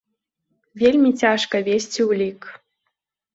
Вельмі цяжка весці ўлік.